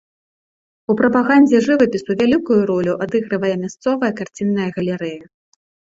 У прапагандзе жывапісу вялікую ролю адыгрывае мясцовая карцінная галерэя.